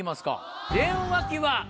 電話機は？